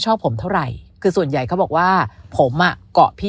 ชอบผมเท่าไหร่คือส่วนใหญ่เขาบอกว่าผมอ่ะเกาะพี่